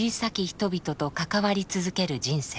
人々と関わり続ける人生。